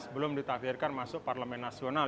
belum ditakdirkan masuk parlemen nasional